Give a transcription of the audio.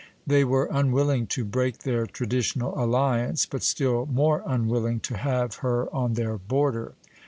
They were unwilling to break their traditional alliance, but still more unwilling to have her on their border.